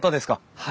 はい。